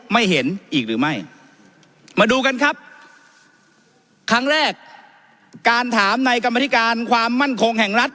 ไม่เห็นอีกหรือไม่มาดูกันครับครั้งแรกการถามในกรรมธิการความมั่นคงแห่งรัฐ